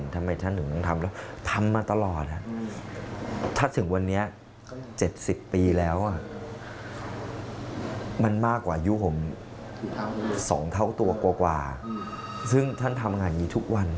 ทำไมท่านต้องทำอะไรแบบนี้